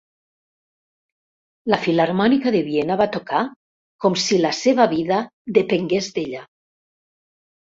La Filharmònica de Viena va tocar com si la seva vida depengués d'ella.